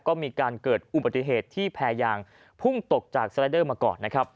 ก็มีการเผยถึงอุปติเหตุที่แพยางพึ่งตกจากมาก่อน